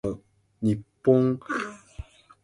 I was like a Larry King in short pants.